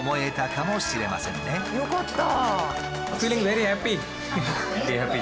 よかった。